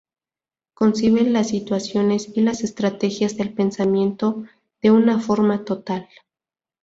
Concibe las situaciones y las estrategias del pensamiento de una forma total.